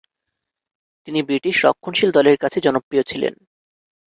তিনি ব্রিটিশ রক্ষণশীল দলের কাছে জনপ্রিয় ছিলেন।